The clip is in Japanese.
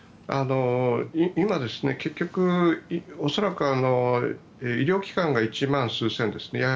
今、恐らく医療機関が１万数千ですね